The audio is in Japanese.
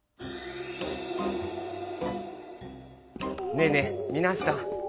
ねぇねぇみなさん。